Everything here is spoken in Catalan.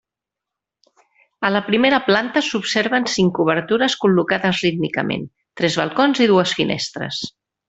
A la primera planta s'observen cinc obertures col·locades rítmicament: tres balcons i dues finestres.